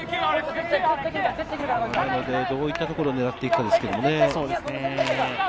どういったところを狙っていくかですけどね。